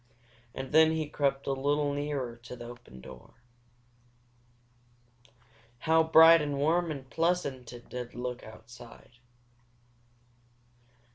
And then he crept a little nearer to the open door. How bright and warm and pleasant it did look outside!